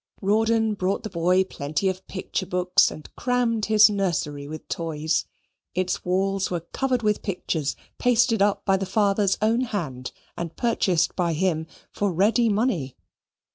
Rawdon bought the boy plenty of picture books and crammed his nursery with toys. Its walls were covered with pictures pasted up by the father's own hand and purchased by him for ready money.